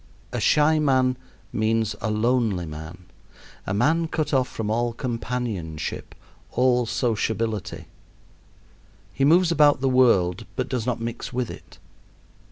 A shy man means a lonely man a man cut off from all companionship, all sociability. He moves about the world, but does not mix with it.